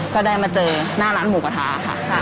ก็ได้มาเจอหน้าร้านหมูกระทะค่ะ